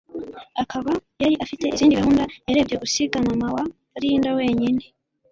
akaba yari afite izindi gahunda yarebye gusiga mama wa Linda wenyine